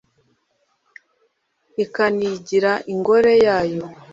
ikanigira ingore yayo